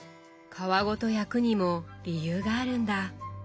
皮ごと焼くにも理由があるんだ。